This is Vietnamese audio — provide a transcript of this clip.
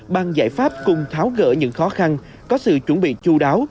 bằng giải pháp cùng tháo gỡ những khó khăn có sự chuẩn bị chú đáo